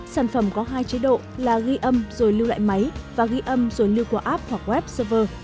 sản phẩm có hai chế độ là ghi âm rồi lưu lại máy và ghi âm rồi lưu qua app hoặc web server